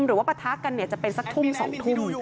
หรือว่าประทะกันจะเป็นสักทุ่มสองทุ่ม